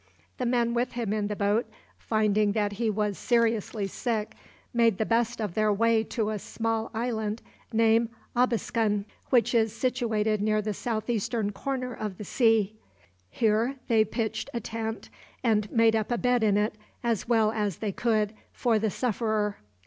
The men with him in the boat, finding that he was seriously sick, made the best of their way to a small island named Abiskun, which is situated near the southeastern corner of the sea. Here they pitched a tent, and made up a bed in it, as well as they could, for the sufferer.